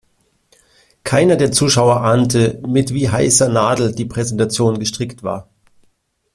Keiner der Zuschauer ahnte, mit wie heißer Nadel die Präsentation gestrickt war.